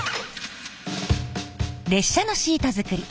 列車のシート作り